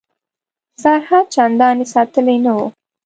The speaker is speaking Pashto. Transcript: سرحد چنداني ساتلی نه وو.